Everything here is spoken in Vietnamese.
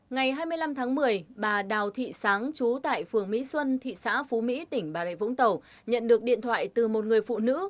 ngày hai mươi năm tháng một mươi bà đào thị sáng chú tại phường mỹ xuân thị xã phú mỹ tỉnh bà rệ vũng tàu nhận được điện thoại từ một người phụ nữ